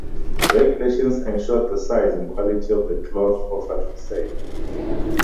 Regulations ensured the size and quality of the cloth offered for sale.